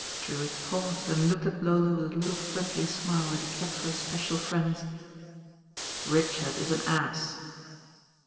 Drewitt paused and looked at Lola with a little friendly smUe that he kept for his special friends. "Richard is an ass."